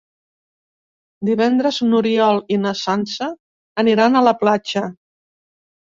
Divendres n'Oriol i na Sança aniran a la platja.